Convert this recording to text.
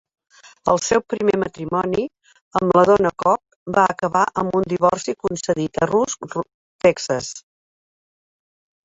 El seu primer matrimoni, amb la Donna Cook, va acabar amb un divorci concedit a Rusk, Texas.